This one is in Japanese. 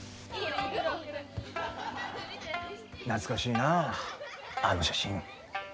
懐かしいなあの写真。